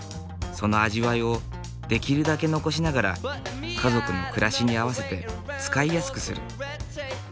その味わいをできるだけ残しながら家族の暮らしに合わせて使いやすくする。